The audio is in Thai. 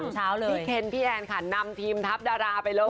พี่เคนพี่แอนค่ะนำทีมทัพดาราไปเลย